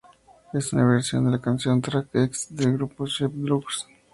Es una versión de la canción "Track X" del grupo Sheep on Drugs.